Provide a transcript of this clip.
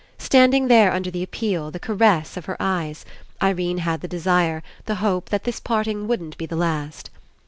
Standing there under the appeal, the caress, of her eyes, Irene had the desire, the hope, that this parting wouldn't be the last.